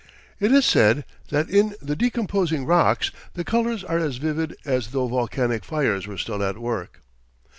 It is said that "in the decomposing rocks the colours are as vivid as though volcanic fires were still at work."